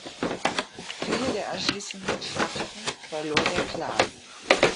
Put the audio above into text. Viele der anschließenden Schlachten verlor der Klan.